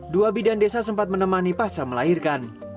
dua bidan desa sempat menemani pasca melahirkan